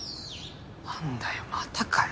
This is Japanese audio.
なんだよまたかよ。